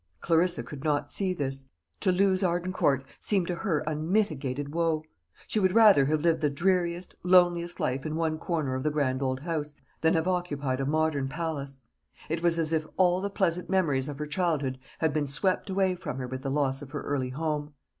Clarissa could not see this. To lose Arden Court seemed to her unmitigated woe. She would rather have lived the dreariest, loneliest life in one corner of the grand old house, than have occupied a modern palace. It was as if all the pleasant memories of her childhood had been swept away from her with the loss of her early home.